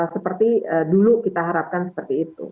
seperti dulu kita harapkan seperti itu